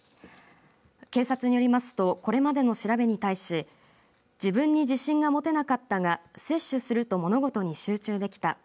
警察によりますとこれまでの調べに対し自分に自信が持てなかったが摂取すると物事に集中できた。